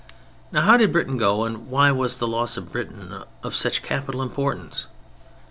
Now how did Britain go, and why was the loss of Britain of such capital importance?